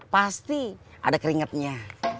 pasti ada keringetnya